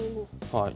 はい。